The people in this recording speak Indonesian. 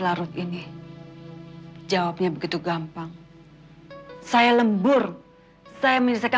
bagaimanapun di kantor tak bisa men gjort sulit